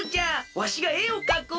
わしがえをかこう。